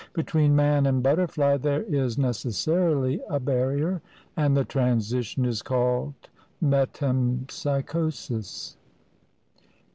Between man and butterfly there is necessarily a barrier; and the transition is called Metempsychosis.